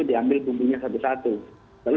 diambil bumbunya satu satu lalu